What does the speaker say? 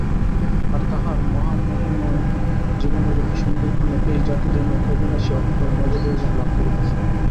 আর তাহার মহামহিমময় জীবনের প্রতি সন্ধিক্ষণেএই জাতি যেন অবিনাশী অক্ষয় নবযৌবন লাভ করিতেছে।